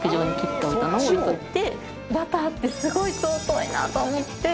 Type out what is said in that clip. バターってすごい尊いなと思って。